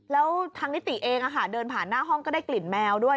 แล้วทางนิติเองเดินผ่านหน้าห้องก็ได้กลิ่นแมวด้วย